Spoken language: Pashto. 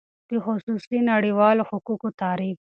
د خصوصی نړیوالو حقوقو تعریف :